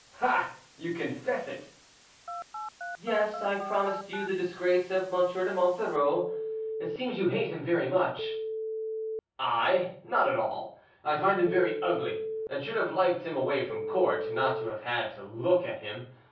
"Ah! you confess it." "Yes, I promised you the disgrace of M. de Monsoreau. It seems you hate him very much." "I! not at all. I find him very ugly, and should have liked him away from court, not to have had to look at him.